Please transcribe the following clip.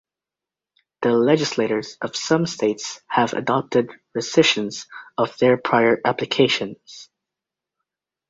The legislatures of some states have adopted rescissions of their prior applications.